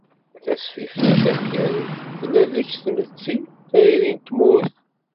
“Tasfift-a taneggarut tella deg-s tmetti, tayri d tmurt.